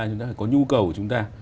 chúng ta phải có nhu cầu của chúng ta